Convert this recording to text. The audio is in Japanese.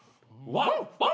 ワンワン！